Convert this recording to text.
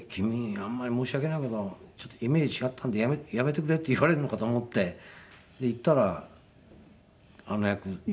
あんまり申し訳ないけどちょっとイメージ違ったんでやめてくれって言われるのかと思って行ったらあの役。